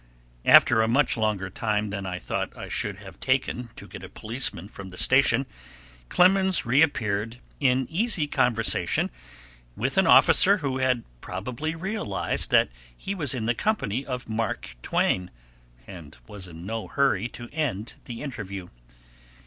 After a much longer time than I thought I should have taken to get a policeman from the station, Clemens reappeared in easy conversation with an officer who had probably realized that he was in the company of Mark Twain, and was in no hurry to end the interview.